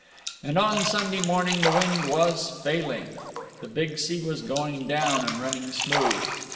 And on Sunday morning the wind was failing. The big sea was going down and running smooth.